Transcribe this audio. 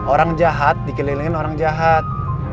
orang jahat dikelilingi sama orang jahat